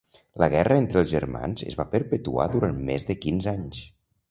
La guerra entre els germans es va perpetuar durant més de quinze anys.